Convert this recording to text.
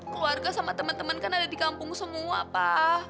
keluarga sama temen temen kan ada di kampung semua pa